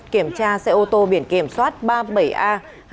kiểm tra xe ô tô biển kiểm soát ba mươi bảy a hai mươi bảy nghìn một trăm sáu mươi sáu